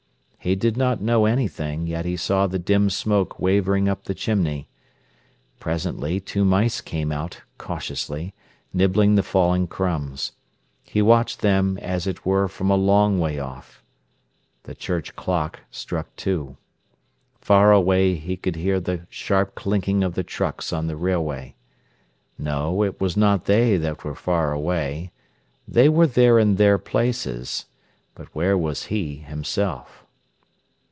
He did not know anything, yet he saw the dim smoke wavering up the chimney. Presently two mice came out, cautiously, nibbling the fallen crumbs. He watched them as it were from a long way off. The church clock struck two. Far away he could hear the sharp clinking of the trucks on the railway. No, it was not they that were far away. They were there in their places. But where was he himself?